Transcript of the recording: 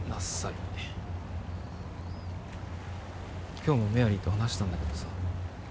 今日もメアリーと話したんだけどさ